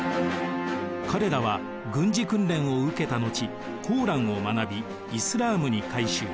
彼らは軍事訓練を受けた後「コーラン」を学びイスラームに改宗。